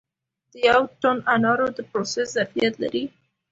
د یو ټن انارو د پروسس ظرفیت لري